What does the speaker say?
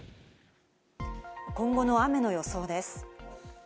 今後の雨の予想です。